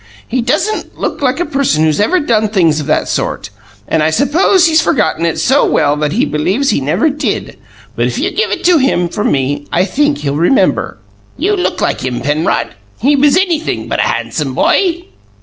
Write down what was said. He doesn't look like a person who's ever done things of that sort, and I suppose he's forgotten it so well that he believes he never DID, but if you give it to him from me I think he'll remember. You look like him, Penrod. He was anything but a handsome boy."